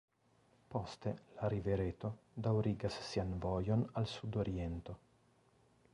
Poste la rivereto daŭrigas sian vojon al sudoriento.